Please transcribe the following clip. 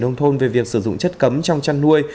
nông thôn về việc sử dụng chất cấm trong chăn nuôi